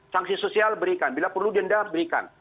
sanksi sosial berikan bila perlu denda berikan